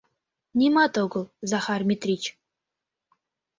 — Нимат огыл, Захар Митрич...